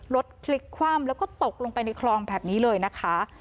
รถพลิกคว่ำแล้วก็ตกลงไปในคลองแบบนี้เลยนะคะ